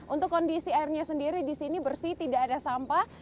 untuk kondisi airnya sendiri di sini bersih tidak ada sampah